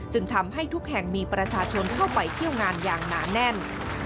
ทำให้ทุกแห่งมีประชาชนเข้าไปเที่ยวงานอย่างหนาแน่น